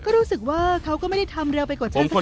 ก็รู้สึกว่าเขาก็ไม่ได้ทำเร็วไปกว่าเช่นสักเท่าไหร่